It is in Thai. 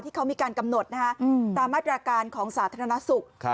ที่เขามีการกำหนดตามมาตรการของสาธารณสุข